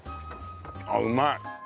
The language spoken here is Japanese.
あっうまい！